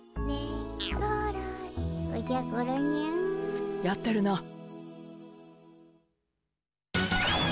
やってるな。